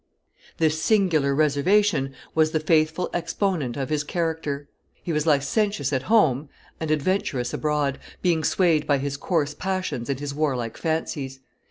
This singular reservation was the faithful exponent of his character; he was licentious at home and adventurous abroad, being swayed by his coarse passions and his warlike fancies.